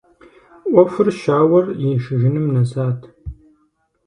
Ӏуэхур щауэр ишыжыным нэсат.